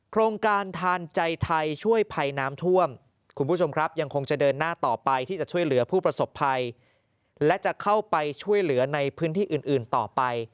โครงการทานใจไทยช่วยภัยน้ำท่วมคุณผู้ชมครับยังคงจะเดินหน้าต่อไปที่จะช่วยเหลือผู้ประสบภัยและจะเข้าไปช่วยเหลือในพื้นที่อื่นต่อไป